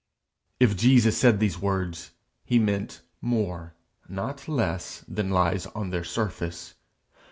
If Jesus said these words, he meant more, not less, than lies on their surface.